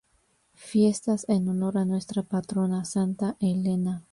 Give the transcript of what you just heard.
Fiestas en honor a nuestra patrona Santa Elena.